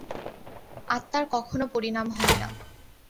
আত্মার কখনও পরিণাম হয় না।